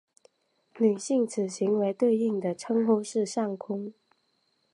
女性此行为对应的称呼是上空。